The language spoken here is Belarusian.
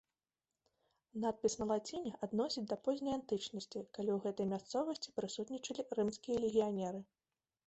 Надпіс на лаціне адносяць да позняй антычнасці, калі ў гэтай мясцовасці прысутнічалі рымскія легіянеры.